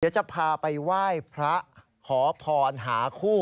เดี๋ยวจะพาไปไหว้พระขอพรหาคู่